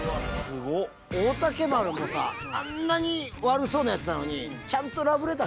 大嶽丸もさあんなに悪そうなやつなのに。